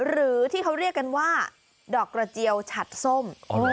หรือที่เขาเรียกกันว่าดอกกระเจียวฉัดส้ม